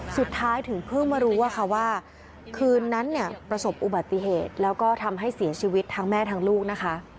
สุดท้ายถึงเพิ่งมารู้ว่าคืนนั้นเนี่ยประสบอุบัติเหตุแล้วก็ทำให้เสียชีวิตทั้งแม่ทั้งลูกนะคะ